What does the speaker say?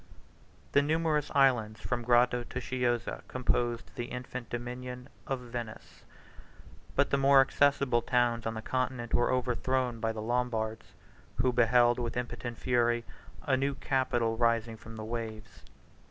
The numerous islands from Grado to Chiozza composed the infant dominion of Venice: but the more accessible towns on the Continent were overthrown by the Lombards, who beheld with impotent fury a new capital rising from the waves.